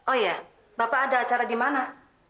oh iya bapak ada acara di mana